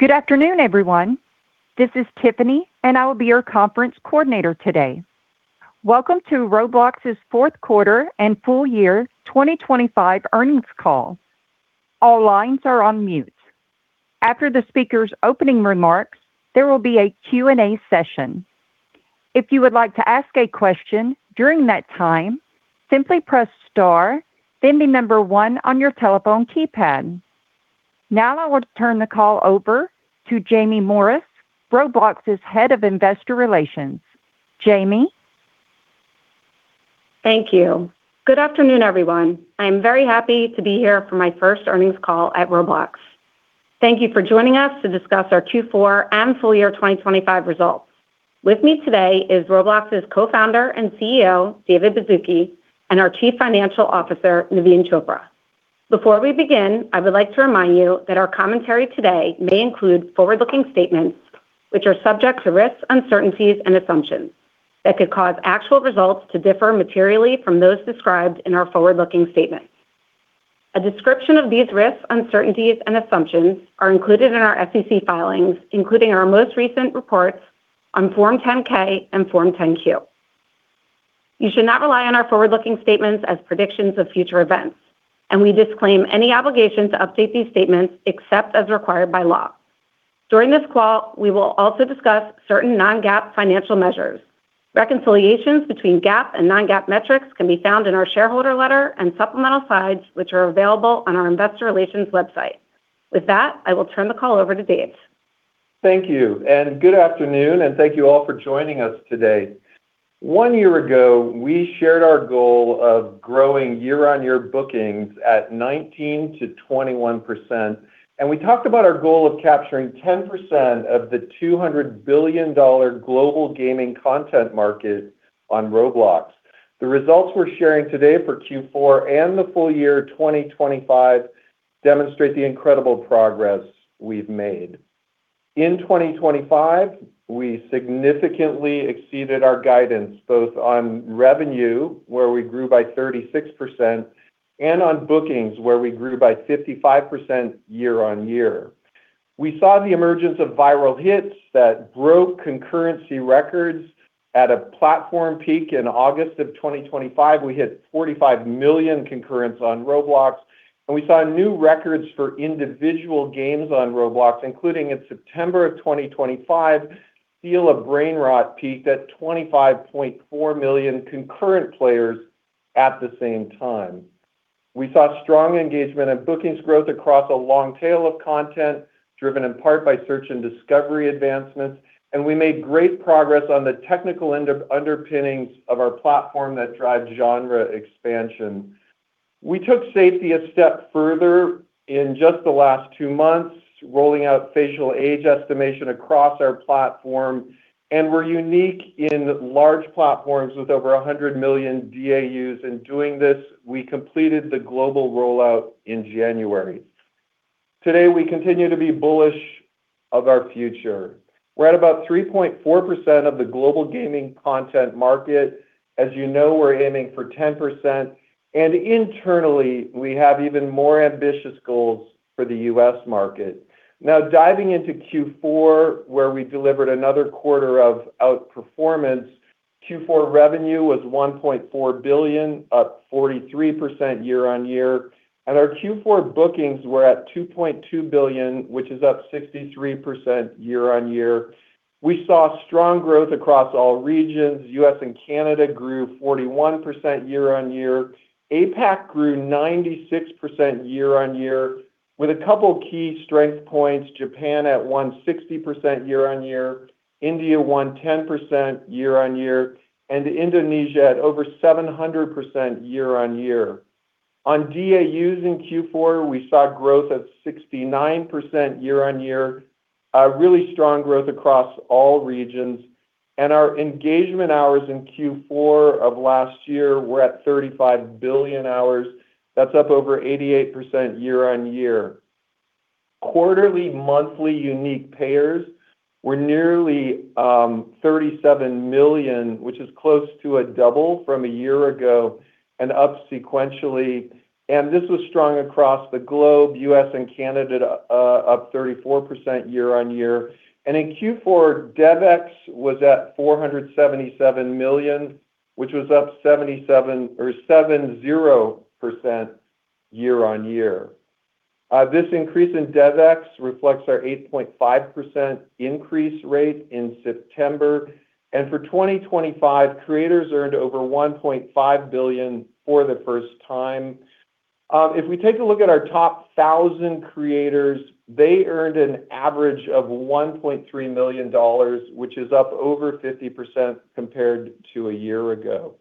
Good afternoon, everyone. This is Tiffany, and I will be your conference coordinator today. Welcome to Roblox's Fourth Quarter and Full Year 2025 Earnings Call. All lines are on mute. After the speaker's opening remarks, there will be a Q&A session. If you would like to ask a question during that time, simply press star, then the number one on your telephone keypad. Now I will turn the call over to Jaime Morris, Roblox's Head of Investor Relations. Jaime? Thank you. Good afternoon, everyone. I am very happy to be here for my first earnings call at Roblox. Thank you for joining us to discuss our Q4 and Full Year 2025 Results. With me today is Roblox's Co-founder and CEO, David Baszucki, and our Chief Financial Officer, Naveen Chopra. Before we begin, I would like to remind you that our commentary today may include forward-looking statements, which are subject to risks, uncertainties, and assumptions that could cause actual results to differ materially from those described in our forward-looking statements. A description of these risks, uncertainties, and assumptions is included in our SEC filings, including our most recent reports on Form 10-K and Form 10-Q. You should not rely on our forward-looking statements as predictions of future events, and we disclaim any obligation to update these statements except as required by law. During this call, we will also discuss certain non-GAAP financial measures. Reconciliations between GAAP and non-GAAP metrics can be found in our shareholder letter and supplemental slides, which are available on our Investor Relations website. With that, I will turn the call over to Dave. Thank you. Good afternoon, and thank you all for joining us today. One year ago, we shared our goal of growing year-on-year bookings at 19%-21%, and we talked about our goal of capturing 10% of the $200 billion global gaming content market on Roblox. The results we're sharing today for Q4 and the full year 2025 demonstrate the incredible progress we've made. In 2025, we significantly exceeded our guidance both on revenue, where we grew by 36%, and on bookings, where we grew by 55% year-on-year. We saw the emergence of viral hits that broke concurrency records. At a platform peak in August of 2025, we hit 45 million concurrents on Roblox, and we saw new records for individual games on Roblox, including in September of 2025, Steal a Brainrot peaked at 25.4 million concurrent players at the same time. We saw strong engagement and bookings growth across a long tail of content, driven in part by search and discovery advancements, and we made great progress on the technical underpinnings of our platform that drive genre expansion. We took safety a step further in just the last two months, rolling out facial age estimation across our platform, and we're unique in large platforms with over 100 million DAUs. In doing this, we completed the global rollout in January. Today, we continue to be bullish of our future. We're at about 3.4% of the global gaming content market. As you know, we're aiming for 10%, and internally, we have even more ambitious goals for the U.S. market. Now, diving into Q4, where we delivered another quarter of outperformance, Q4 revenue was $1.4 billion, up 43% year-on-year, and our Q4 bookings were at $2.2 billion, which is up 63% year-on-year. We saw strong growth across all regions. U.S. and Canada grew 41% year-on-year. APAC grew 96% year-on-year, with a couple key strength points: Japan at 160% year-on-year, India 110% year-on-year, and Indonesia at over 700% year-on-year. On DAUs in Q4, we saw growth of 69% year-on-year, really strong growth across all regions, and our engagement hours in Q4 of last year were at 35 billion hours. That's up over 88% year-on-year. Quarterly, monthly unique payers were nearly 37 million, which is close to a double from a year ago and up sequentially. This was strong across the globe: U.S. and Canada, up 34% year-on-year. In Q4, DevEx was at $477 million, which was up 70% year-on-year. This increase in DevEx reflects our 8.5% increase rate in September. For 2025, creators earned over $1.5 billion for the first time. If we take a look at our top 1,000 creators, they earned an average of $1.3 million, which is up over 50% compared to a year ago.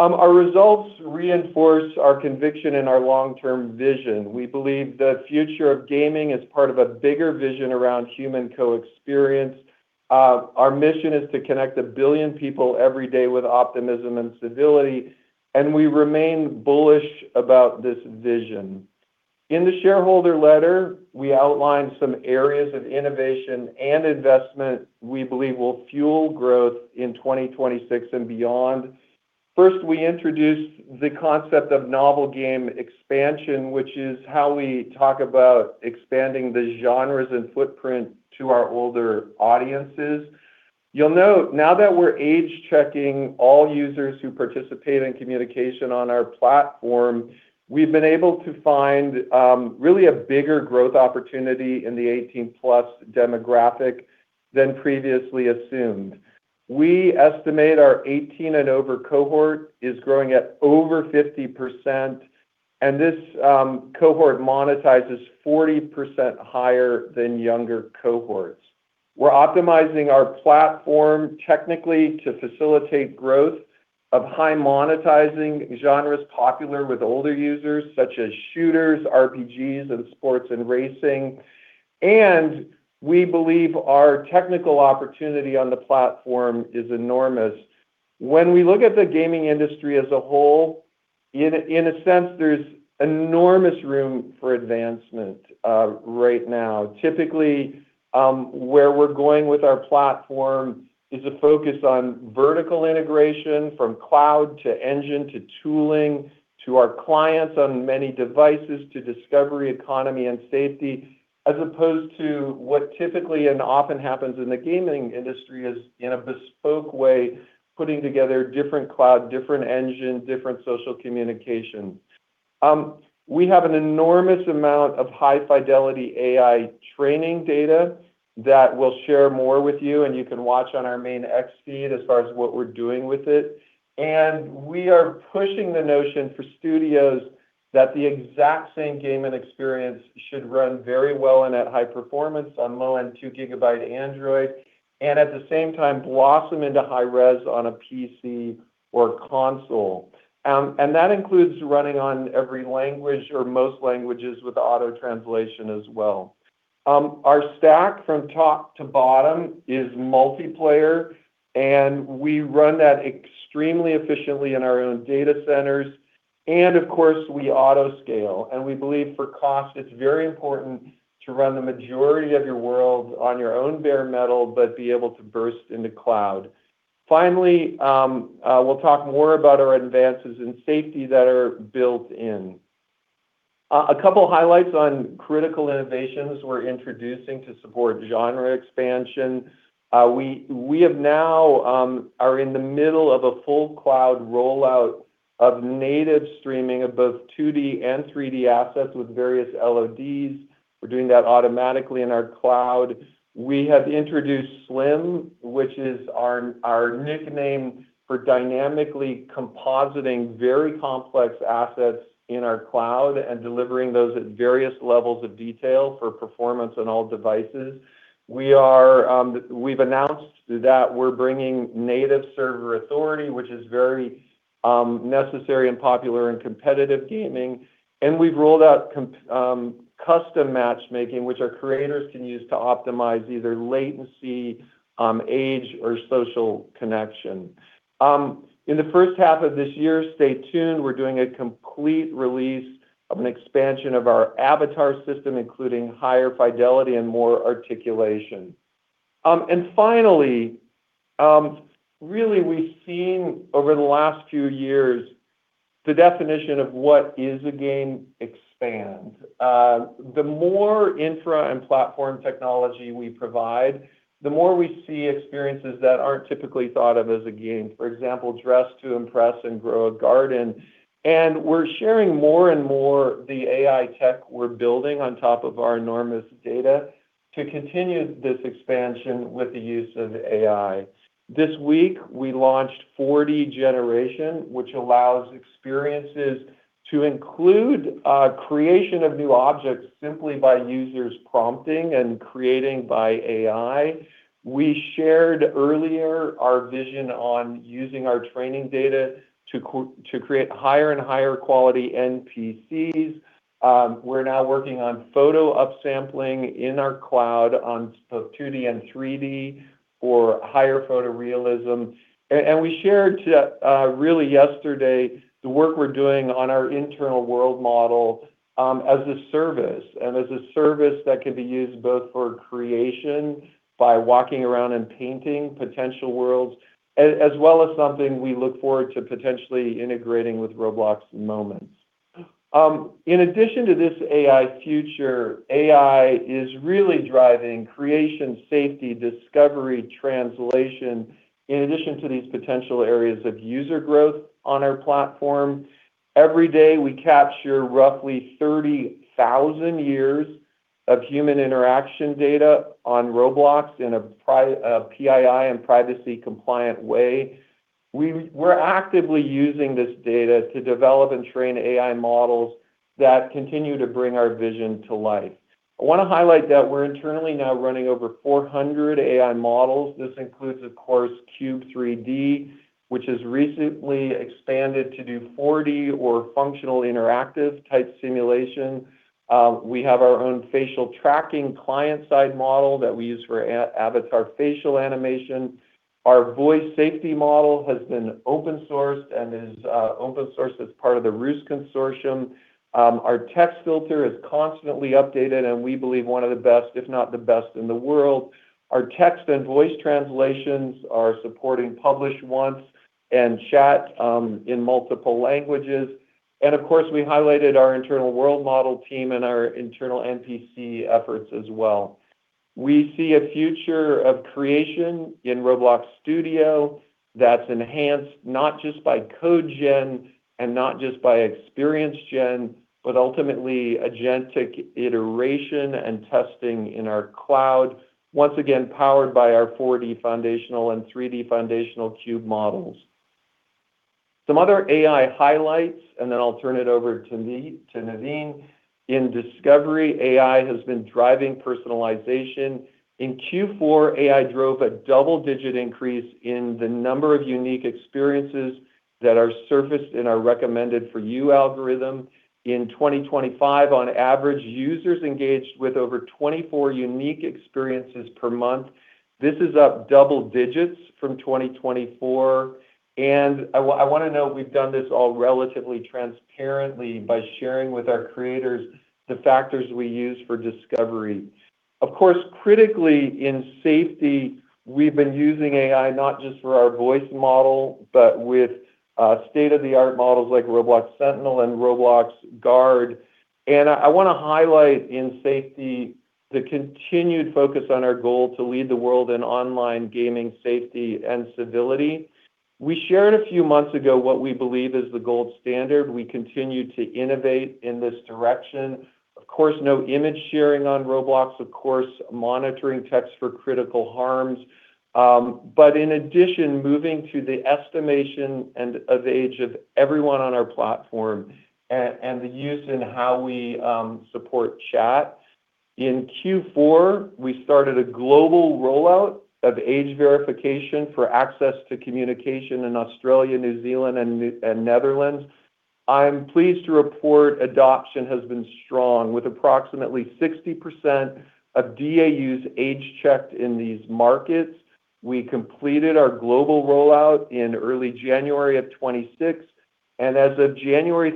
Our results reinforce our conviction and our long-term vision. We believe the future of gaming is part of a bigger vision around human co-experience. Our mission is to connect a billion people every day with optimism and civility, and we remain bullish about this vision. In the shareholder letter, we outlined some areas of innovation and investment we believe will fuel growth in 2026 and beyond. First, we introduced the concept of novel game expansion, which is how we talk about expanding the genres and footprint to our older audiences. You'll note, now that we're age-checking all users who participate in communication on our platform, we've been able to find really a bigger growth opportunity in the 18+ demographic than previously assumed. We estimate our 18 and over cohort is growing at over 50%, and this cohort monetizes 40% higher than younger cohorts. We're optimizing our platform technically to facilitate growth of high-monetizing genres popular with older users, such as shooters, RPGs, and sports and racing. We believe our technical opportunity on the platform is enormous. When we look at the gaming industry as a whole, in a sense, there's enormous room for advancement right now. Typically, where we're going with our platform is a focus on vertical integration from cloud to engine to tooling to our clients on many devices to discovery economy and safety, as opposed to what typically and often happens in the gaming industry is, in a bespoke way, putting together different cloud, different engine, different social communications. We have an enormous amount of high-fidelity AI training data that we'll share more with you, and you can watch on our main X feed as far as what we're doing with it. We are pushing the notion for studios that the exact same gaming experience should run very well and at high performance on low-end 2 GB Android, and at the same time blossom into high-res on a PC or console. That includes running on every language or most languages with auto-translation as well. Our stack from top to bottom is multiplayer, and we run that extremely efficiently in our own data centers. Of course, we autoscale. We believe, for cost, it's very important to run the majority of your world on your own bare metal but be able to burst into cloud. Finally, we'll talk more about our advances in safety that are built-in. A couple highlights on critical innovations we're introducing to support genre expansion. We now are in the middle of a full cloud rollout of native streaming of both 2D and 3D assets with various LODs. We're doing that automatically in our cloud. We have introduced SLIM, which is our nickname for dynamically compositing very complex assets in our cloud and delivering those at various levels of detail for performance on all devices. We've announced that we're bringing Native Server Authority, which is very necessary and popular in competitive gaming. And we've rolled out Custom Matchmaking, which our creators can use to optimize either latency, age, or social connection. In the first half of this year, stay tuned. We're doing a complete release of an expansion of our avatar system, including higher fidelity and more articulation. Finally, really, we've seen over the last few years the definition of what is a game expand. The more infra and platform technology we provide, the more we see experiences that aren't typically thought of as a game, for example, Dress to Impress and Grow a Garden. And we're sharing more and more of the AI tech we're building on top of our enormous data to continue this expansion with the use of AI. This week, we launched 4D Generation, which allows experiences to include creation of new objects simply by users prompting and creating by AI. We shared earlier our vision on using our training data to create higher and higher quality NPCs. We're now working on photo upsampling in our cloud on both 2D and 3D for higher photorealism. And we shared, really, yesterday, the work we're doing on our internal world model as a service and as a service that can be used both for creation by walking around and painting potential worlds, as well as something we look forward to potentially integrating with Roblox Moments. In addition to this AI future, AI is really driving creation, safety, discovery, translation, in addition to these potential areas of user growth on our platform. Every day, we capture roughly 30,000 years of human interaction data on Roblox in a PII and privacy-compliant way. We're actively using this data to develop and train AI models that continue to bring our vision to life. I want to highlight that we're internally now running over 400 AI models. This includes, of course, Cube 3D, which has recently expanded to do 4D or functional interactive-type simulation. We have our own facial tracking client-side model that we use for avatar facial animation. Our voice safety model has been open-sourced and is open-sourced as part of the ROOST consortium. Our text filter is constantly updated, and we believe one of the best, if not the best, in the world. Our text and voice translations are supporting Publish Once and chat in multiple languages. And of course, we highlighted our internal world model team and our internal NPC efforts as well. We see a future of creation in Roblox Studio that's enhanced not just by code gen and not just by experience gen, but ultimately agentic iteration and testing in our cloud, once again powered by our 4D Foundational and 3D Foundational Cube models. Some other AI highlights, and then I'll turn it over to Naveen. In discovery, AI has been driving personalization. In Q4, AI drove a double-digit increase in the number of unique experiences that are surfaced in our Recommended for You algorithm. In 2025, on average, users engaged with over 24 unique experiences per month. This is up double digits from 2024. And I want to note we've done this all relatively transparently by sharing with our creators the factors we use for discovery. Of course, critically in safety, we've been using AI not just for our voice model but with state-of-the-art models like Roblox Sentinel and Roblox Guard. And I want to highlight in safety the continued focus on our goal to lead the world in online gaming safety and civility. We shared a few months ago what we believe is the gold standard. We continue to innovate in this direction. Of course, no image sharing on Roblox. Of course, monitoring text for critical harms. But in addition, moving to the estimation of age of everyone on our platform and the use in how we support chat. In Q4, we started a global rollout of age verification for access to communication in Australia, New Zealand, and Netherlands. I'm pleased to report adoption has been strong, with approximately 60% of DAUs age-checked in these markets. We completed our global rollout in early January of 2026. And as of January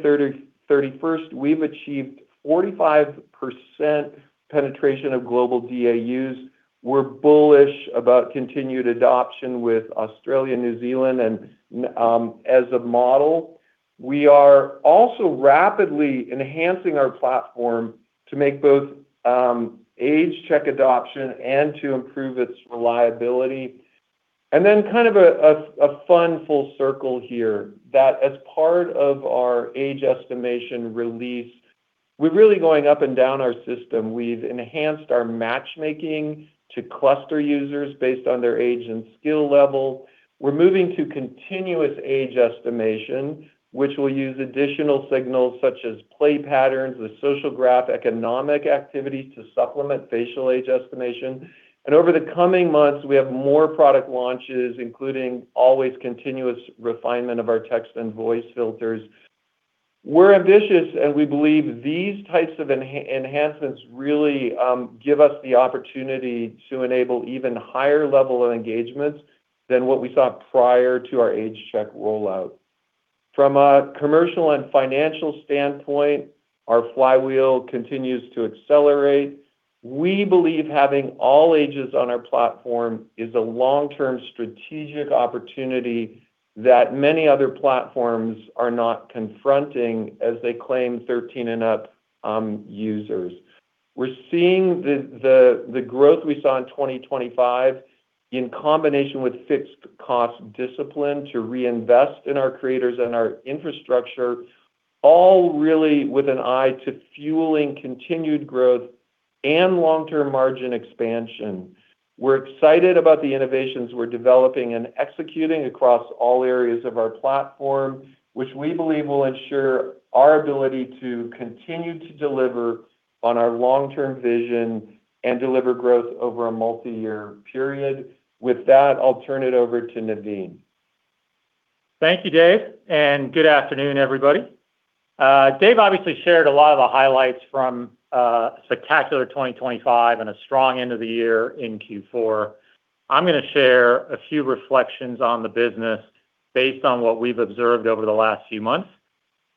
31st, we've achieved 45% penetration of global DAUs. We're bullish about continued adoption with Australia, New Zealand, and as a model. We are also rapidly enhancing our platform to make both age-check adoption and to improve its reliability. And then kind of a fun full circle here, that as part of our age estimation release, we're really going up and down our system. We've enhanced our matchmaking to cluster users based on their age and skill level. We're moving to continuous age estimation, which will use additional signals such as play patterns, the social graph, economic activities to supplement facial age estimation. Over the coming months, we have more product launches, including always continuous refinement of our text and voice filters. We're ambitious, and we believe these types of enhancements really give us the opportunity to enable even higher levels of engagements than what we saw prior to our age-check rollout. From a commercial and financial standpoint, our flywheel continues to accelerate. We believe having all ages on our platform is a long-term strategic opportunity that many other platforms are not confronting as they claim 13 and up users. We're seeing the growth we saw in 2025 in combination with fixed-cost discipline to reinvest in our creators and our infrastructure, all really with an eye to fueling continued growth and long-term margin expansion. We're excited about the innovations we're developing and executing across all areas of our platform, which we believe will ensure our ability to continue to deliver on our long-term vision and deliver growth over a multi-year period. With that, I'll turn it over to Naveen. Thank you, Dave, and good afternoon, everybody. Dave obviously shared a lot of the highlights from spectacular 2025 and a strong end of the year in Q4. I'm going to share a few reflections on the business based on what we've observed over the last few months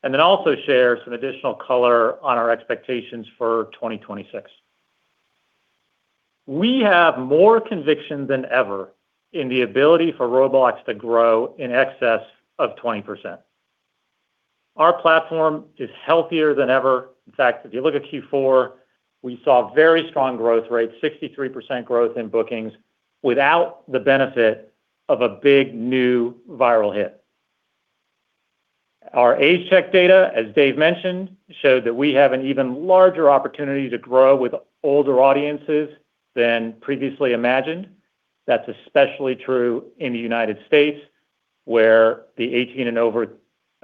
and then also share some additional color on our expectations for 2026. We have more conviction than ever in the ability for Roblox to grow in excess of 20%. Our platform is healthier than ever. In fact, if you look at Q4, we saw very strong growth rates, 63% growth in bookings, without the benefit of a big new viral hit. Our age-check data, as Dave mentioned, showed that we have an even larger opportunity to grow with older audiences than previously imagined. That's especially true in the U.S., where the 18 and over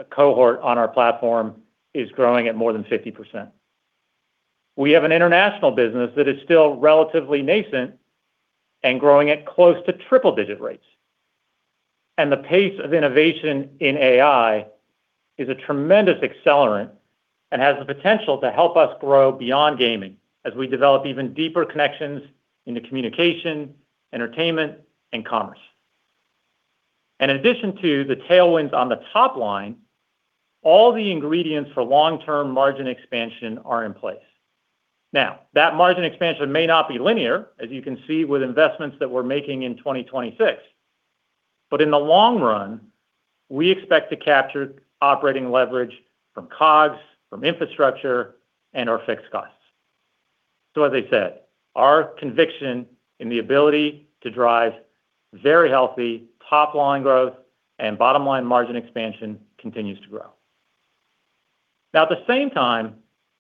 cohort on our platform is growing at more than 50%. We have an international business that is still relatively nascent and growing at close to triple-digit rates. And the pace of innovation in AI is a tremendous accelerant and has the potential to help us grow beyond gaming as we develop even deeper connections into communication, entertainment, and commerce. And in addition to the tailwinds on the top line, all the ingredients for long-term margin expansion are in place. Now, that margin expansion may not be linear, as you can see with investments that we're making in 2026. But in the long run, we expect to capture operating leverage from COGS, from infrastructure, and our fixed costs. So as I said, our conviction in the ability to drive very healthy top-line growth and bottom-line margin expansion continues to grow. Now, at the same time,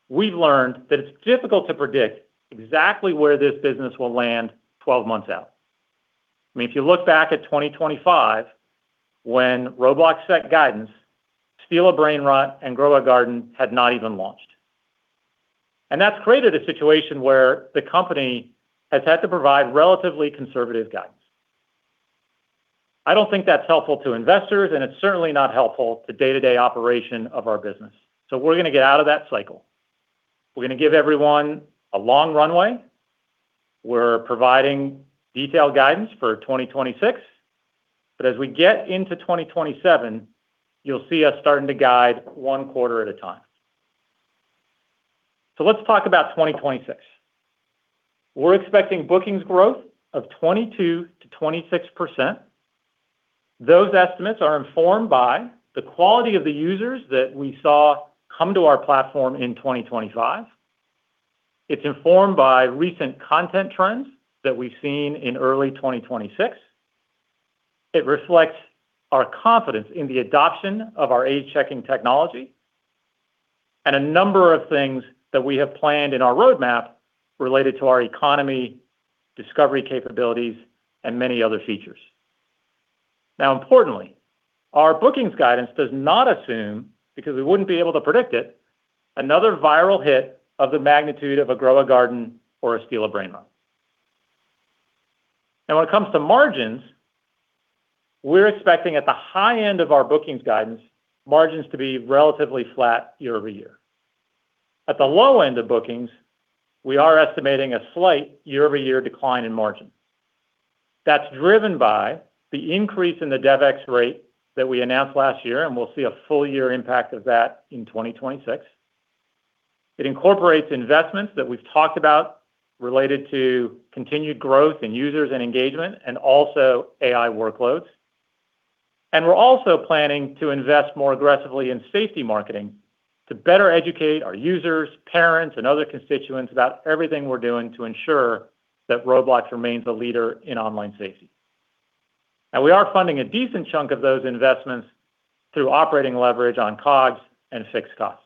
we've learned that it's difficult to predict exactly where this business will land 12 months out. I mean, if you look back at 2025, when Roblox set guidance, Steal a Brainrot and Grow a Garden had not even launched. And that's created a situation where the company has had to provide relatively conservative guidance. I don't think that's helpful to investors, and it's certainly not helpful to day-to-day operation of our business. So we're going to get out of that cycle. We're going to give everyone a long runway. We're providing detailed guidance for 2026. But as we get into 2027, you'll see us starting to guide one quarter at a time. So let's talk about 2026. We're expecting bookings growth of 22%-26%. Those estimates are informed by the quality of the users that we saw come to our platform in 2025. It's informed by recent content trends that we've seen in early 2026. It reflects our confidence in the adoption of our age-checking technology and a number of things that we have planned in our roadmap related to our economy, discovery capabilities, and many other features. Now, importantly, our bookings guidance does not assume, because we wouldn't be able to predict it, another viral hit of the magnitude of a Grow a Garden or a Steal a Brainrot. Now, when it comes to margins, we're expecting at the high end of our bookings guidance margins to be relatively flat year-over-year. At the low end of bookings, we are estimating a slight year-over-year decline in margin. That's driven by the increase in the DevEx rate that we announced last year, and we'll see a full-year impact of that in 2026. It incorporates investments that we've talked about related to continued growth in users and engagement and also AI workloads. We're also planning to invest more aggressively in safety marketing to better educate our users, parents, and other constituents about everything we're doing to ensure that Roblox remains a leader in online safety. We are funding a decent chunk of those investments through operating leverage on COGS and fixed costs.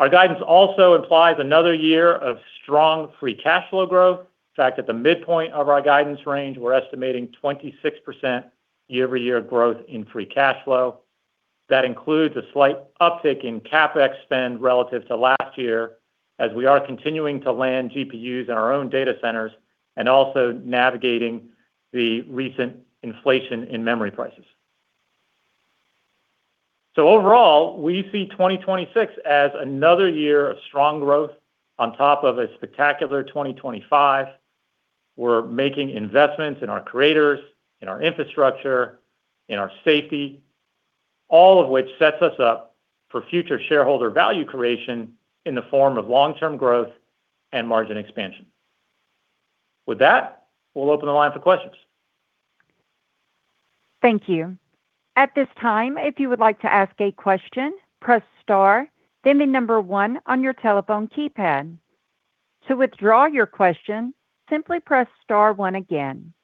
Our guidance also implies another year of strong free cash flow growth. In fact, at the midpoint of our guidance range, we're estimating 26% year-over-year growth in free cash flow. That includes a slight uptick in CapEx spend relative to last year as we are continuing to land GPUs in our own data centers and also navigating the recent inflation in memory prices. So overall, we see 2026 as another year of strong growth on top of a spectacular 2025. We're making investments in our creators, in our infrastructure, in our safety, all of which sets us up for future shareholder value creation in the form of long-term growth and margin expansion. With that, we'll open the line for questions. Thank you. At this time, if you would like to ask a question, press star, then the number one on your telephone keypad. To withdraw your question, simply press star one again.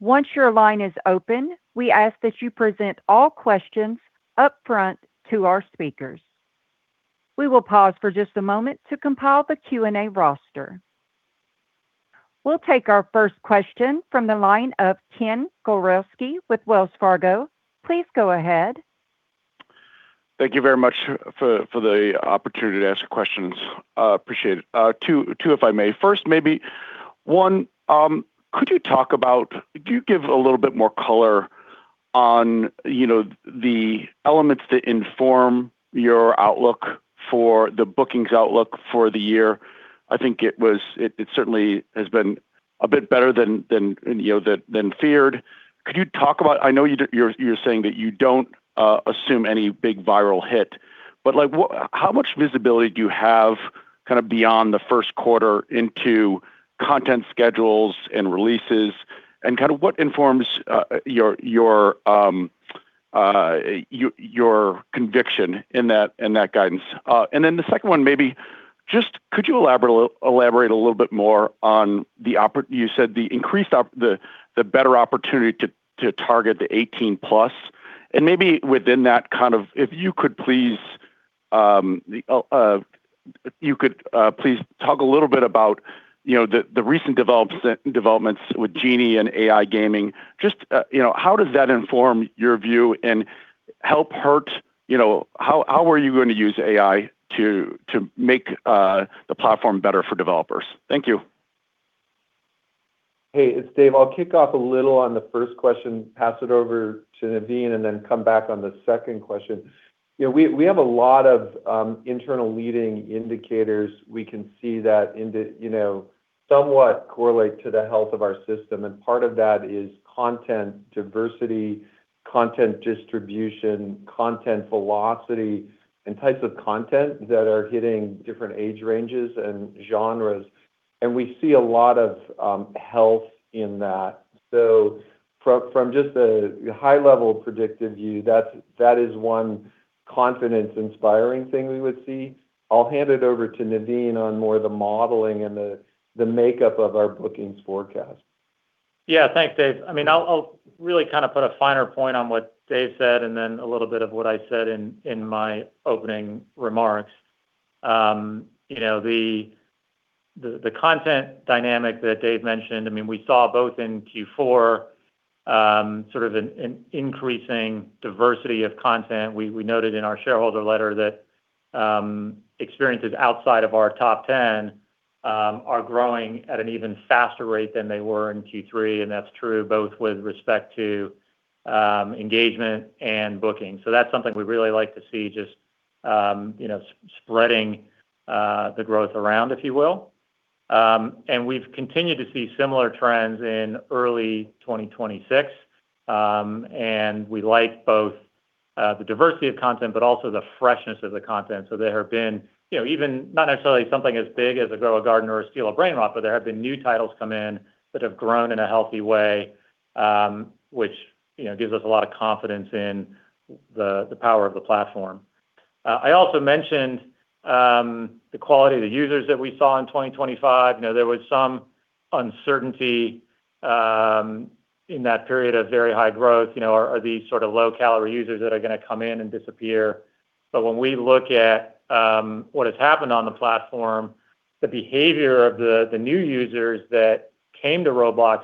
Once your line is open, we ask that you present all questions upfront to our speakers. We will pause for just a moment to compile the Q&A roster. We'll take our first question from the line of Ken Gawrelski with Wells Fargo. Please go ahead. Thank you very much for the opportunity to ask questions. Appreciate it. Two, if I may. First, maybe one, could you give a little bit more color on the elements that inform your outlook for the bookings outlook for the year? I think it certainly has been a bit better than feared. Could you talk about, I know you're saying that you don't assume any big viral hit. But how much visibility do you have kind of beyond the first quarter into content schedules and releases, and kind of what informs your conviction in that guidance? And then the second one, maybe just could you elaborate a little bit more on the better opportunity to target the 18+. And maybe within that kind of, if you could please talk a little bit about the recent developments with Genie and AI gaming. Just how does that inform your view and help or hurt? How are you going to use AI to make the platform better for developers? Thank you. Hey, it's Dave. I'll kick off a little on the first question, pass it over to Naveen, and then come back on the second question. We have a lot of internal leading indicators. We can see that somewhat correlate to the health of our system. Part of that is content diversity, content distribution, content velocity, and types of content that are hitting different age ranges and genres. We see a lot of health in that. So from just a high-level predictive view, that is one confidence-inspiring thing we would see. I'll hand it over to Naveen on more of the modeling and the makeup of our bookings forecast. Yeah, thanks, Dave. I mean, I'll really kind of put a finer point on what Dave said and then a little bit of what I said in my opening remarks. The content dynamic that Dave mentioned, I mean, we saw both in Q4 sort of an increasing diversity of content. We noted in our shareholder letter that experiences outside of our top 10 are growing at an even faster rate than they were in Q3. And that's true both with respect to engagement and bookings. So that's something we'd really like to see just spreading the growth around, if you will. And we've continued to see similar trends in early 2026. And we like both the diversity of content but also the freshness of the content. So there have been even not necessarily something as big as a Grow a Garden or a Steal a Brainrot, but there have been new titles come in that have grown in a healthy way, which gives us a lot of confidence in the power of the platform. I also mentioned the quality of the users that we saw in 2025. There was some uncertainty in that period of very high growth. Are these sort of low-calorie users that are going to come in and disappear? But when we look at what has happened on the platform, the behavior of the new users that came to Roblox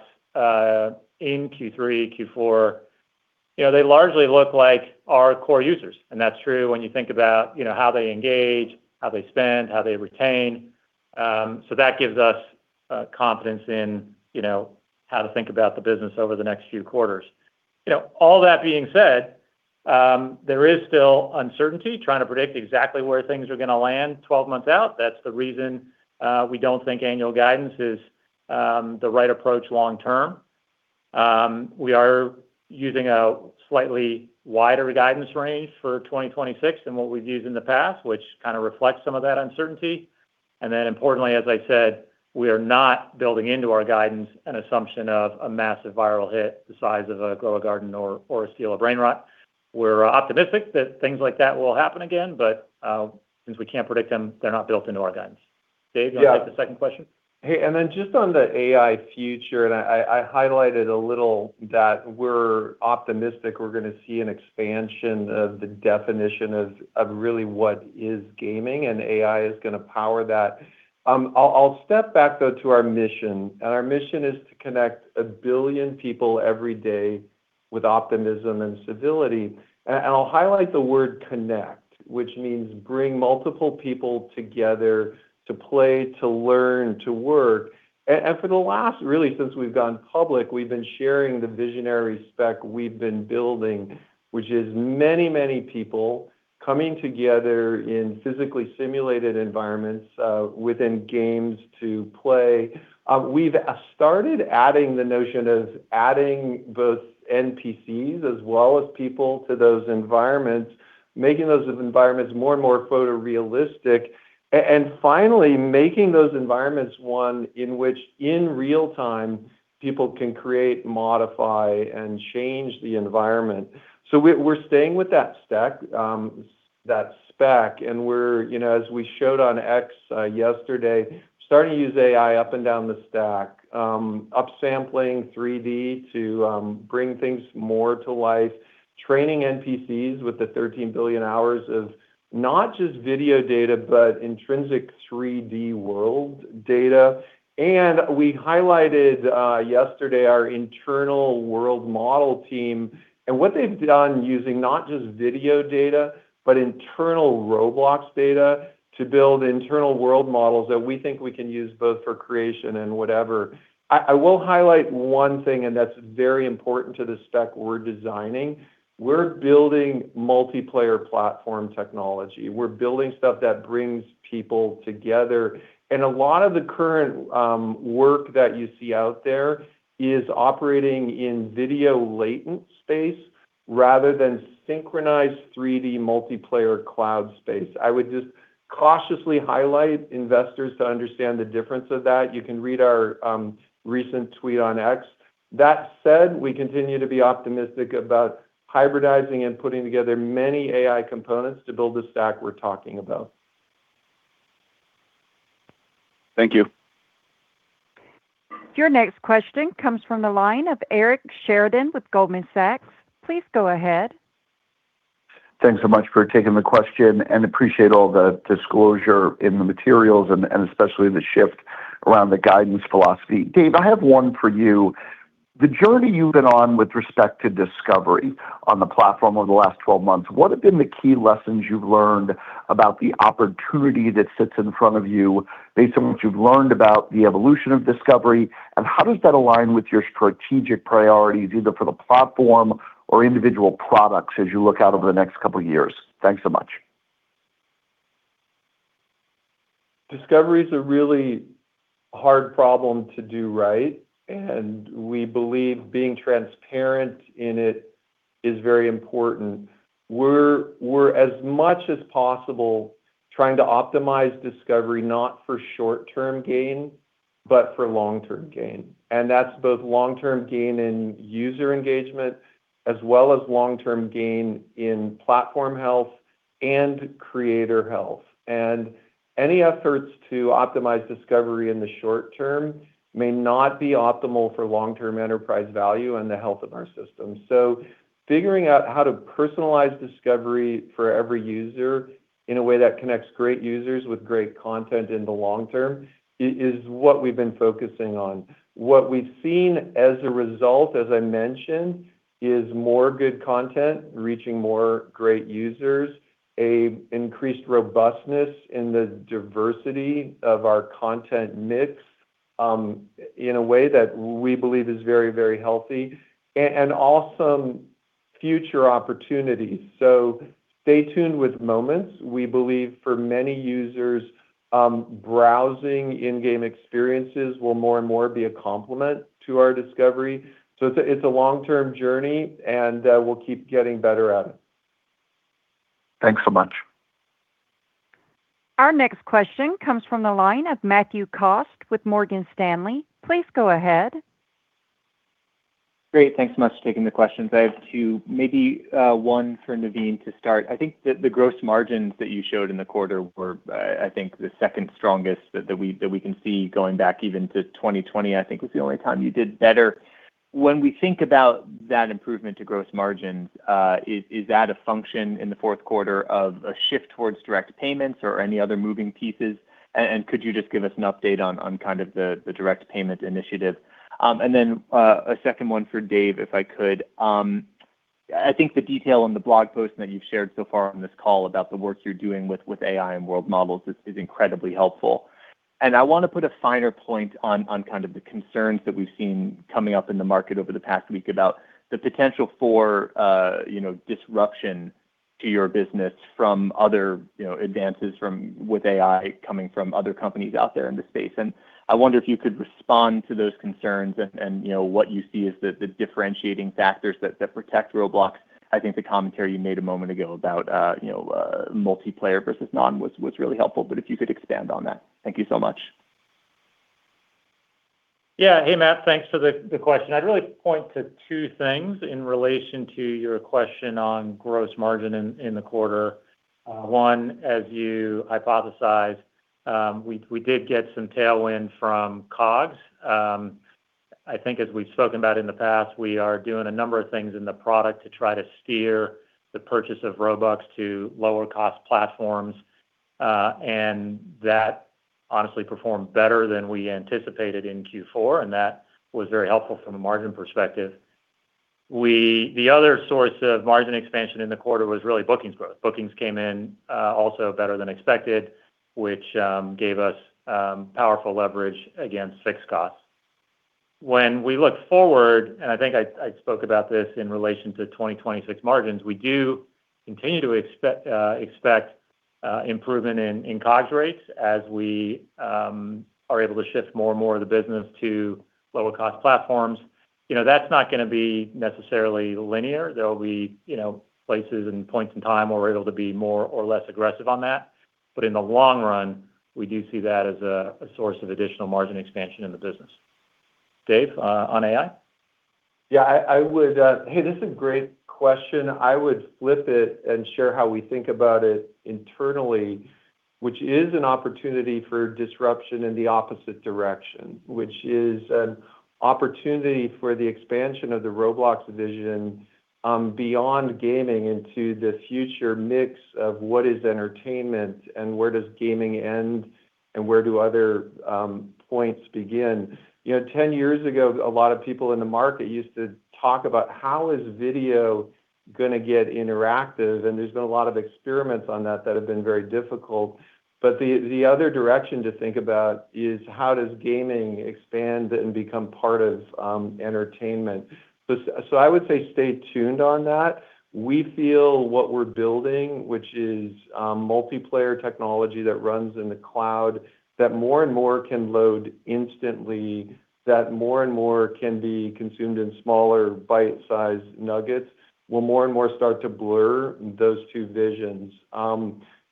in Q3, Q4, they largely look like our core users. And that's true when you think about how they engage, how they spend, how they retain. So that gives us confidence in how to think about the business over the next few quarters. All that being said, there is still uncertainty trying to predict exactly where things are going to land 12 months out. That's the reason we don't think annual guidance is the right approach long term. We are using a slightly wider guidance range for 2026 than what we've used in the past, which kind of reflects some of that uncertainty. And then, importantly, as I said, we are not building into our guidance an assumption of a massive viral hit the size of a Grow a Garden or a Steal a Brainrot. We're optimistic that things like that will happen again, but since we can't predict them, they're not built into our guidance. Dave, do you want to take the second question? Yeah. Hey, and then just on the AI future, and I highlighted a little that we're optimistic we're going to see an expansion of the definition of really what is gaming, and AI is going to power that. I'll step back, though, to our mission. Our mission is to connect a billion people every day with optimism and civility. I'll highlight the word connect, which means bring multiple people together to play, to learn, to work. For the last really, since we've gone public, we've been sharing the visionary spec we've been building, which is many, many people coming together in physically simulated environments within games to play. We've started adding the notion of adding both NPCs as well as people to those environments, making those environments more and more photorealistic, and finally making those environments one in which, in real time, people can create, modify, and change the environment. So we're staying with that spec. And as we showed on X yesterday, starting to use AI up and down the stack, upsampling 3D to bring things more to life, training NPCs with the 13 billion hours of not just video data but intrinsic 3D world data. And we highlighted yesterday our internal world model team and what they've done using not just video data but internal Roblox data to build internal world models that we think we can use both for creation and whatever. I will highlight one thing, and that's very important to the spec we're designing. We're building multiplayer platform technology. We're building stuff that brings people together. A lot of the current work that you see out there is operating in video latent space rather than synchronized 3D multiplayer cloud space. I would just cautiously highlight investors to understand the difference of that. You can read our recent tweet on X. That said, we continue to be optimistic about hybridizing and putting together many AI components to build the stack we're talking about. Thank you. Your next question comes from the line of Eric Sheridan with Goldman Sachs. Please go ahead. Thanks so much for taking the question, and appreciate all the disclosure in the materials and especially the shift around the guidance philosophy. Dave, I have one for you. The journey you've been on with respect to discovery on the platform over the last 12 months, what have been the key lessons you've learned about the opportunity that sits in front of you based on what you've learned about the evolution of discovery? And how does that align with your strategic priorities, either for the platform or individual products, as you look out over the next couple of years? Thanks so much. Discovery is a really hard problem to do right. We believe being transparent in it is very important. We're, as much as possible, trying to optimize discovery not for short-term gain but for long-term gain. That's both long-term gain in user engagement as well as long-term gain in platform health and creator health. Any efforts to optimize discovery in the short term may not be optimal for long-term enterprise value and the health of our system. Figuring out how to personalize discovery for every user in a way that connects great users with great content in the long term is what we've been focusing on. What we've seen as a result, as I mentioned, is more good content reaching more great users, an increased robustness in the diversity of our content mix in a way that we believe is very, very healthy, and awesome future opportunities. Stay tuned with moments. We believe for many users, browsing in-game experiences will more and more be a complement to our discovery. It's a long-term journey, and we'll keep getting better at it. Thanks so much. Our next question comes from the line of Matthew Cost with Morgan Stanley. Please go ahead. Great. Thanks so much for taking the questions. I have maybe one for Naveen to start. I think that the gross margins that you showed in the quarter were, I think, the second strongest that we can see going back even to 2020. I think it was the only time you did better. When we think about that improvement to gross margins, is that a function in the fourth quarter of a shift towards direct payments or any other moving pieces? And could you just give us an update on kind of the direct payment initiative? And then a second one for Dave, if I could. I think the detail in the blog post that you've shared so far on this call about the work you're doing with AI and world models is incredibly helpful. I want to put a finer point on kind of the concerns that we've seen coming up in the market over the past week about the potential for disruption to your business from other advances with AI coming from other companies out there in the space. I wonder if you could respond to those concerns and what you see as the differentiating factors that protect Roblox? I think the commentary you made a moment ago about multiplayer versus non was really helpful. If you could expand on that? Thank you so much. Yeah. Hey, Matt. Thanks for the question. I'd really point to two things in relation to your question on gross margin in the quarter. One, as you hypothesized, we did get some tailwind from COGS. I think, as we've spoken about in the past, we are doing a number of things in the product to try to steer the purchase of Robux to lower-cost platforms. And that honestly performed better than we anticipated in Q4, and that was very helpful from a margin perspective. The other source of margin expansion in the quarter was really Bookings growth. Bookings came in also better than expected, which gave us powerful leverage against fixed costs. When we look forward, and I think I spoke about this in relation to 2026 margins, we do continue to expect improvement in COGS rates as we are able to shift more and more of the business to lower-cost platforms. That's not going to be necessarily linear. There will be places and points in time where we're able to be more or less aggressive on that. But in the long run, we do see that as a source of additional margin expansion in the business. Dave, on AI? Yeah. Hey, this is a great question. I would flip it and share how we think about it internally, which is an opportunity for disruption in the opposite direction, which is an opportunity for the expansion of the Roblox vision beyond gaming into the future mix of what is entertainment and where does gaming end and where do other points begin. 10 years ago, a lot of people in the market used to talk about how is video going to get interactive. And there's been a lot of experiments on that that have been very difficult. But the other direction to think about is how does gaming expand and become part of entertainment? So I would say stay tuned on that. We feel what we're building, which is multiplayer technology that runs in the cloud that more and more can load instantly, that more and more can be consumed in smaller bite-sized nuggets, will more and more start to blur those two visions.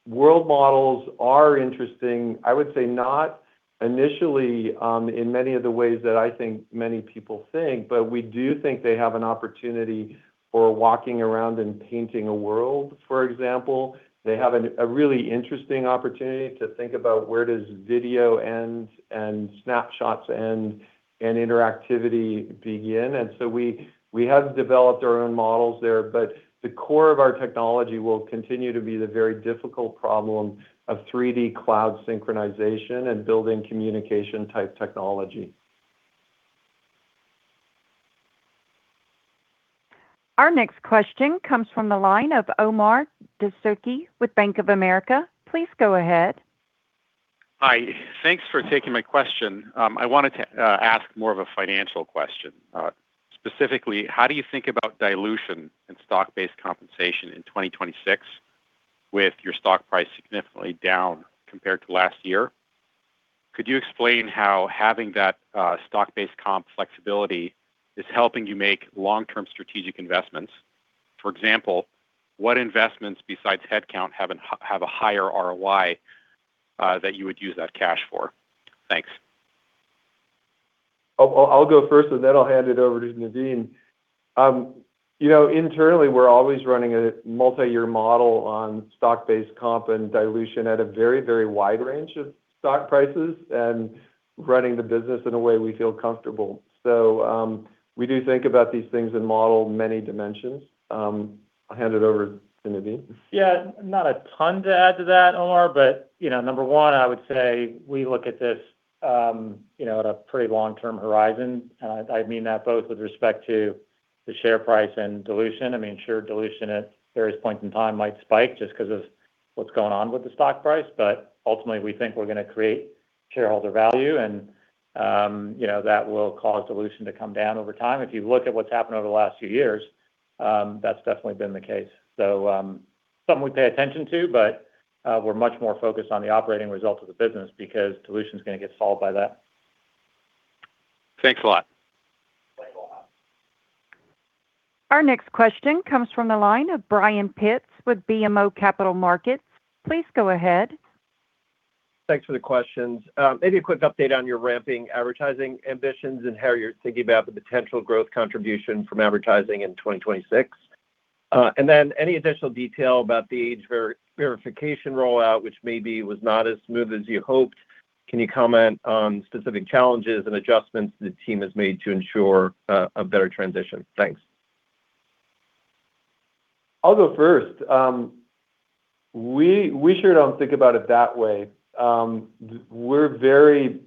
World models are interesting, I would say, not initially in many of the ways that I think many people think, but we do think they have an opportunity for walking around and painting a world, for example. They have a really interesting opportunity to think about where does video end and snapshots end and interactivity begin. And so we have developed our own models there. But the core of our technology will continue to be the very difficult problem of 3D cloud synchronization and building communication-type technology. Our next question comes from the line of Omar Dessouky with Bank of America. Please go ahead. Hi. Thanks for taking my question. I wanted to ask more of a financial question. Specifically, how do you think about dilution and stock-based compensation in 2026 with your stock price significantly down compared to last year? Could you explain how having that stock-based comp flexibility is helping you make long-term strategic investments? For example, what investments besides headcount have a higher ROI that you would use that cash for? Thanks. I'll go first, and then I'll hand it over to Naveen. Internally, we're always running a multi-year model on stock-based comp and dilution at a very, very wide range of stock prices and running the business in a way we feel comfortable. So we do think about these things and model many dimensions. I'll hand it over to Naveen. Yeah. Not a ton to add to that, Omar. But number one, I would say we look at this at a pretty long-term horizon. And I mean that both with respect to the share price and dilution. I mean, sure, dilution at various points in time might spike just because of what's going on with the stock price. But ultimately, we think we're going to create shareholder value, and that will cause dilution to come down over time. If you look at what's happened over the last few years, that's definitely been the case. So something we pay attention to, but we're much more focused on the operating result of the business because dilution's going to get solved by that. Thanks a lot. Our next question comes from the line of Brian Pitz with BMO Capital Markets. Please go ahead. Thanks for the questions. Maybe a quick update on your ramping advertising ambitions and how you're thinking about the potential growth contribution from advertising in 2026. And then any additional detail about the age verification rollout, which maybe was not as smooth as you hoped? Can you comment on specific challenges and adjustments the team has made to ensure a better transition? Thanks. I'll go first. We sure don't think about it that way. We're very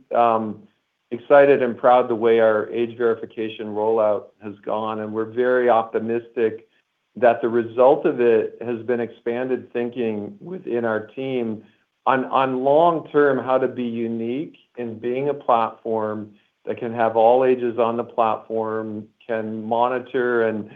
excited and proud of the way our age verification rollout has gone. We're very optimistic that the result of it has been expanded thinking within our team on long-term how to be unique in being a platform that can have all ages on the platform, can monitor and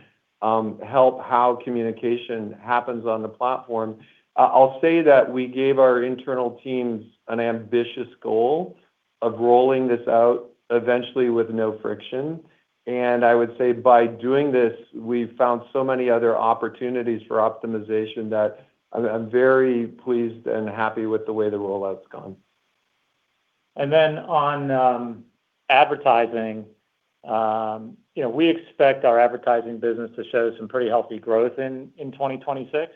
help how communication happens on the platform. I'll say that we gave our internal teams an ambitious goal of rolling this out eventually with no friction. I would say by doing this, we've found so many other opportunities for optimization that I'm very pleased and happy with the way the rollout's gone. And then on advertising, we expect our advertising business to show some pretty healthy growth in 2026.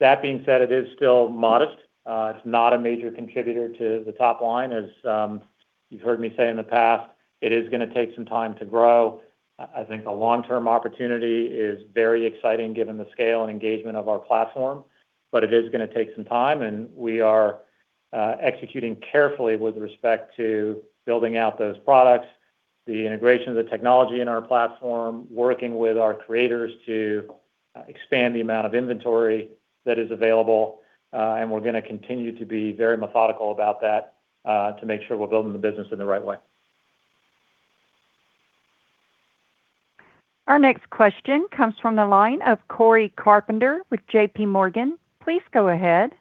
That being said, it is still modest. It's not a major contributor to the top line. As you've heard me say in the past, it is going to take some time to grow. I think the long-term opportunity is very exciting given the scale and engagement of our platform. But it is going to take some time. And we are executing carefully with respect to building out those products, the integration of the technology in our platform, working with our creators to expand the amount of inventory that is available. And we're going to continue to be very methodical about that to make sure we're building the business in the right way. Our next question comes from the line of Cory Carpenter with JPMorgan. Please go ahead.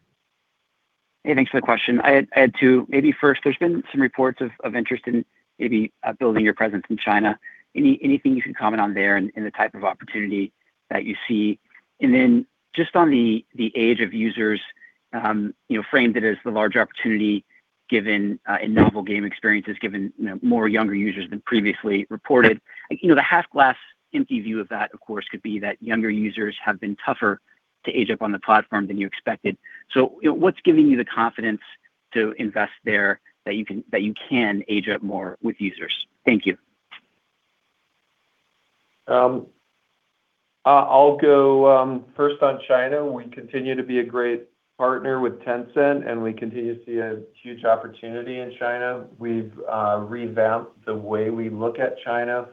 Hey, thanks for the question. I had two. Maybe first, there's been some reports of interest in maybe building your presence in China. Anything you can comment on there and the type of opportunity that you see? And then just on the age of users, frame it as the larger opportunity in novel game experiences, given more younger users than previously reported. The half-glass-empty view of that, of course, could be that younger users have been tougher to age up on the platform than you expected. So what's giving you the confidence to invest there that you can age up more with users? Thank you. I'll go first on China. We continue to be a great partner with Tencent, and we continue to see a huge opportunity in China. We've revamped the way we look at China.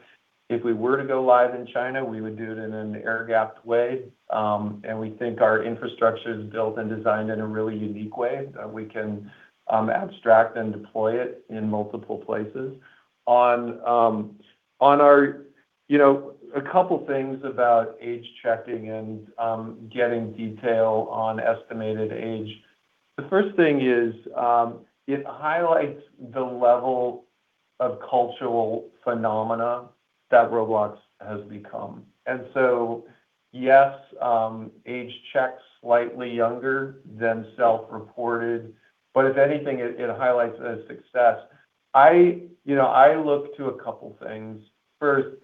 If we were to go live in China, we would do it in an air-gapped way. We think our infrastructure is built and designed in a really unique way. We can abstract and deploy it in multiple places. On our a couple of things about age checking and getting detail on estimated age, the first thing is it highlights the level of cultural phenomena that Roblox has become. So yes, age checks slightly younger than self-reported. But if anything, it highlights the success. I look to a couple of things. First,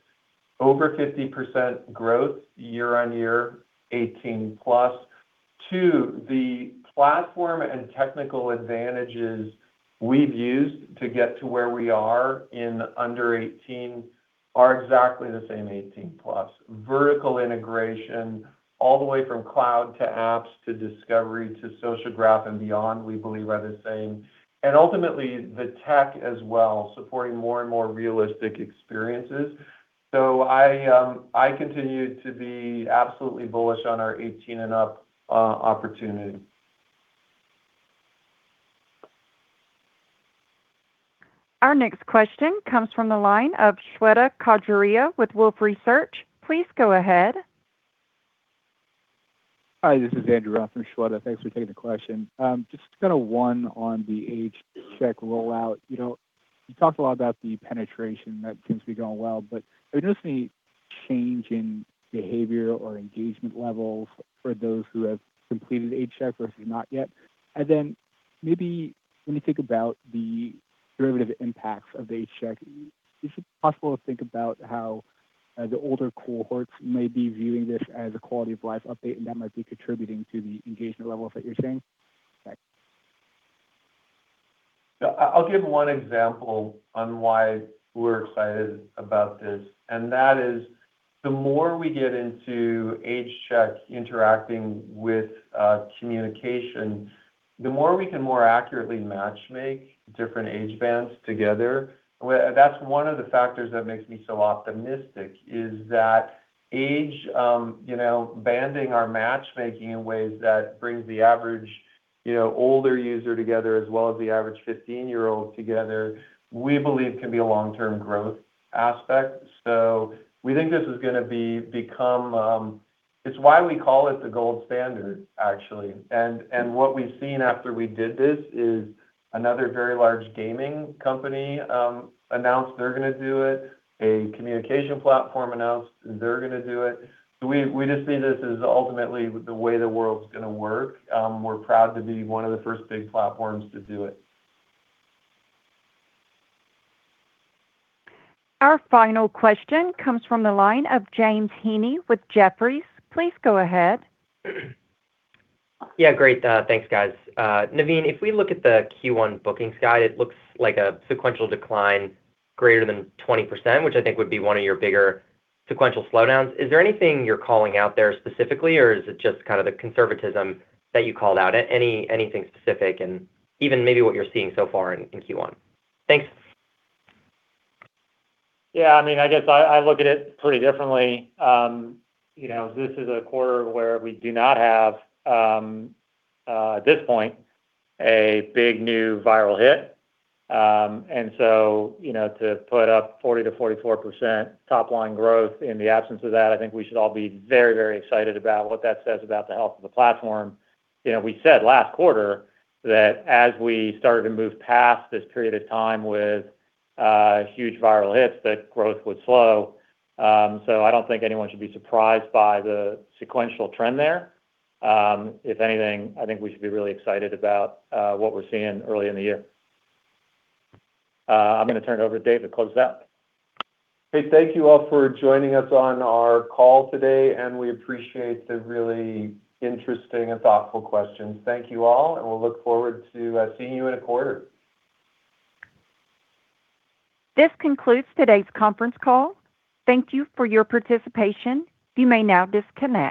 over 50% growth year-over-year, 18+. Two, the platform and technical advantages we've used to get to where we are in under 18 are exactly the same 18+. Vertical integration all the way from cloud to apps to discovery to sociograph and beyond, we believe, are the same. And ultimately, the tech as well, supporting more and more realistic experiences. So I continue to be absolutely bullish on our 18 and up opportunity. Our next question comes from the line of Shweta Khajuria with Wolfe Research. Please go ahead. Hi. This is Andrew on for Shweta. Thanks for taking the question. Just kind of one on the age check rollout. You talked a lot about the penetration. That seems to be going well. But have you noticed any change in behavior or engagement levels for those who have completed age check versus not yet? And then maybe when you think about the derivative impacts of the age check, is it possible to think about how the older cohorts may be viewing this as a quality of life update and that might be contributing to the engagement levels that you're seeing? I'll give one example on why we're excited about this. That is the more we get into age check interacting with communication, the more we can more accurately matchmake different age bands together. That's one of the factors that makes me so optimistic is that age banding, our matchmaking in ways that brings the average older user together as well as the average 15-year-old together, we believe can be a long-term growth aspect. We think this is going to become it. It's why we call it the gold standard, actually. What we've seen after we did this is another very large gaming company announced they're going to do it. A communication platform announced they're going to do it. So we just see this as ultimately the way the world's going to work. We're proud to be one of the first big platforms to do it. Our final question comes from the line of James Heaney with Jefferies. Please go ahead. Yeah. Great. Thanks, guys. Naveen, if we look at the Q1 bookings guide, it looks like a sequential decline greater than 20%, which I think would be one of your bigger sequential slowdowns. Is there anything you're calling out there specifically, or is it just kind of the conservatism that you called out? Anything specific and even maybe what you're seeing so far in Q1? Thanks. Yeah. I mean, I guess I look at it pretty differently. This is a quarter where we do not have, at this point, a big new viral hit. And so to put up 40%-44% top-line growth in the absence of that, I think we should all be very, very excited about what that says about the health of the platform. We said last quarter that as we started to move past this period of time with huge viral hits, that growth would slow. So I don't think anyone should be surprised by the sequential trend there. If anything, I think we should be really excited about what we're seeing early in the year. I'm going to turn it over to Dave to close it out. Hey, thank you all for joining us on our call today. We appreciate the really interesting and thoughtful questions. Thank you all. We'll look forward to seeing you in a quarter. This concludes today's conference call. Thank you for your participation. You may now disconnect.